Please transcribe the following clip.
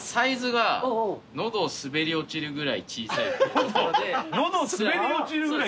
喉滑り落ちるぐらい小さい？